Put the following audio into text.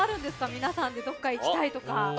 皆さんでどっか行きたいとか。